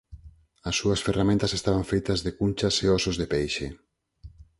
As súas ferramentas estaban feitas de cunchas e ósos de peixe.